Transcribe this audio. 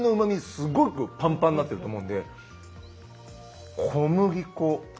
すごくパンパンになってると思うんで小麦粉。